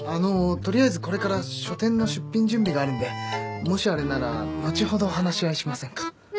取りあえずこれから書展の出品準備があるんでもしあれなら後ほど話し合いしませんか？